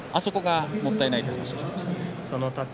あそこがもったいないという話をしていました。